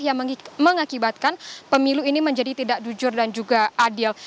yang mengakibatkan pemilu ini menjadi tidak jujur dan juga adil